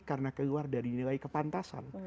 karena keluar dari nilai kepantasan